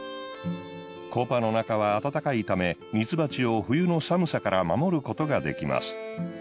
コパの中は暖かいためミツバチを冬の寒さから守ることができます。